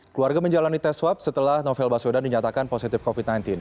keluarga menjalani tes swab setelah novel baswedan dinyatakan positif covid sembilan belas